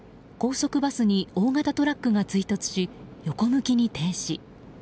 高速バスに大型トラックが追突し横向きに停止。